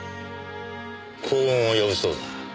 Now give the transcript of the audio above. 幸運を呼ぶそうだ。